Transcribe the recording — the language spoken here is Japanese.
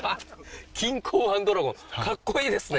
錦江湾ドラゴンかっこいいですね！